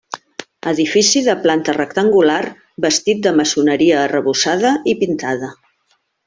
Edifici de planta rectangular bastit de maçoneria arrebossada i pintada.